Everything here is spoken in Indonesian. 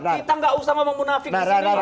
kita nggak usah ngomong munafik di situ